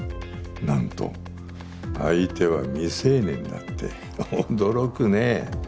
なんと相手は未成年だって驚くね。